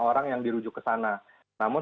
orang yang dirujuk ke sana namun